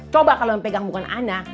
coba kalau yang pegang bukan anak